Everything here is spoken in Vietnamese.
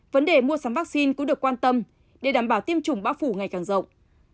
vấn đề mua sắm vaccine cũng được quan tâm để đảm bảo tiêm chủng bão phủ ngày càng rộng